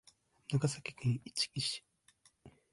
長崎県壱岐市